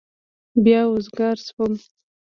بيا وزگار سوم.